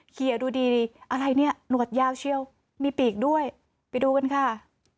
เคลียร์ดูดีดีอะไรเนี่ยหนวดยาวเชียวมีปีกด้วยไปดูกันค่ะ